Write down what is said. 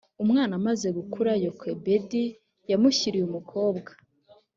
umwana amaze gukura yokebedi yamushyiriye umukobwa